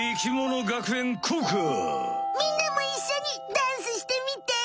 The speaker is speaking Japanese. みんなもいっしょにダンスしてみて！